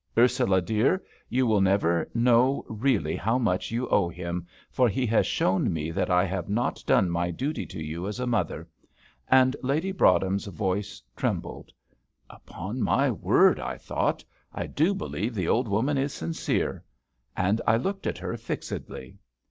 Ursula, dear, you will never know really how much you owe him, for he has shown me that I have not done my duty to you as a mother;" and Lady Broadhem's voice trembled. "Upon my word," I thought, "I do believe the old woman is sincere;" and I looked at her fixedly.